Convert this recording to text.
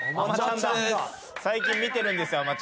最近見てるんですよ